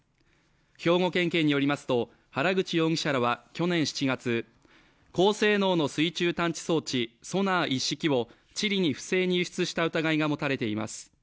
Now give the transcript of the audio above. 兵庫県警によりますと原口容疑者は去年７月、高性能の水中探知装置、ソナー一式を、チリに不正に輸出した疑いが持たれています。